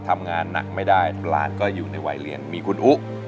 ทำงานหนักไม่ได้หลานก็อยู่ในวัยเรียนมีคุณอุ๊